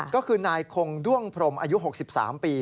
ก็คือนายคงด้วงพรมอายุ๖๓ปี